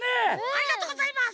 ありがとうございます。